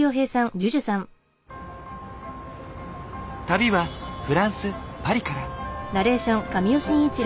旅はフランスパリから。